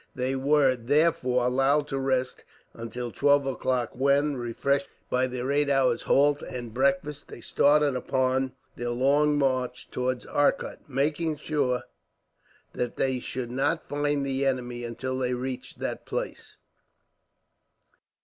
They were, therefore, allowed to rest until twelve o'clock; when, refreshed by their eight hours' halt and breakfast, they started upon their long march towards Arcot, making sure that they should not find the enemy until they reached that place.